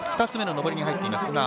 ２つ目の上りに入っています。